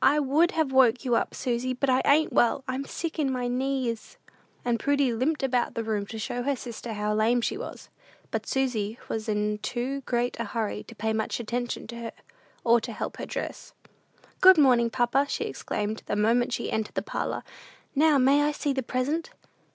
"I would have woke you up, Susy, but I ain't well; I'm sick in my knees." And Prudy limped about the room to show her sister how lame she was. But Susy was in too great a hurry to pay much attention to her, or to help her dress. "Good morning, papa!" she exclaimed, the moment she entered the parlor; "now may I see the present?"